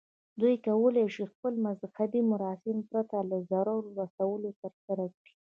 دوی کولی شي خپل مذهبي مراسم پرته له ضرر رسولو ترسره کړي.